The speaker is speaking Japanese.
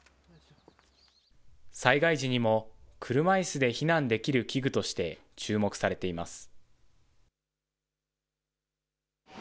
災害時にも車いすで避難できる器具として、注目されています。